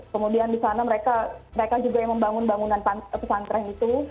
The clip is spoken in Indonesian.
kemudian di sana mereka juga yang membangun bangunan pesantren itu